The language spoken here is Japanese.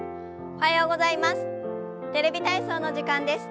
おはようございます。